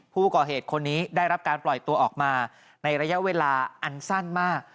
ผู้ก่อเหตุคนนี้ได้รับการปล่อยตัวออกมาในระยะเวลาอันสั้นมาก